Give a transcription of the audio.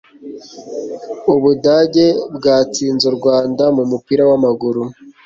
Ubudage bwatsinze u Rwanda mu mupira wamaguru